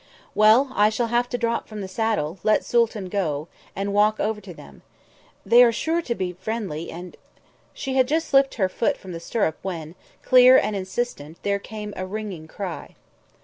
"Well, I shall have to drop from the saddle, let Sooltan go, and walk over to them. They are sure to be friendly and ..." She had just slipped her foot from the stirrup when, clear and insistent, there came a ringing cry.